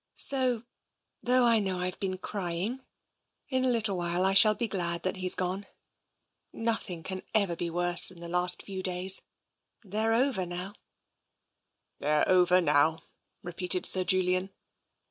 " So, though I know I've been crying, in a little while I shall be glad that he's gone. Nothing can ever be worse than the last few days. They're over now." €( 264 TENSION " They're over now," repeated Sir Julian.